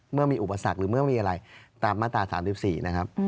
เมื่อมีอุปสรรคหรือเมื่อมีอะไรตามมาตรา๓๔นะครับ